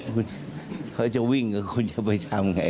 คุณจะวิ่งคุณจะไปทำอย่างไร